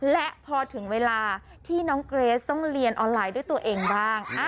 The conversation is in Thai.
และพอถึงเวลาที่น้องเกรสต้องเรียนออนไลน์ด้วยตัวเองบ้าง